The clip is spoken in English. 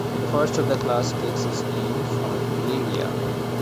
The first of the class takes its name from Illyria.